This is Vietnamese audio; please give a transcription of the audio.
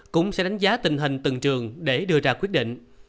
cũng sẽ đánh giá tình hình từng trường để đưa ra quyết định